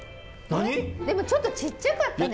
でもちょっとちっちゃかったね